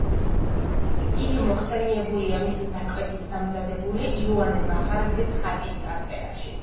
იგი მოხსენიებულია მისი დაკვეთით დამზადებული იოანე მახარებლის ხატის წარწერაში.